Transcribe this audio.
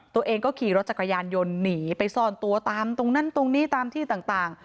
ตัวเองก็ขี่รถจักรยานยนต์หนีไปซ่อนตัวตามตรงนั้นตรงนี้ตามที่ต่าง